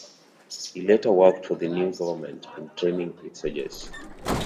He later worked for the new government in training its soldiers.